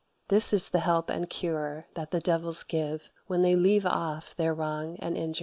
This is the help and cure that the devils give when they leave off their wrong and injury."